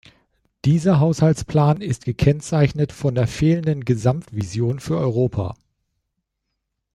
Dieser Haushaltsplan ist gekennzeichnet von der fehlenden Gesamtvision für Europa.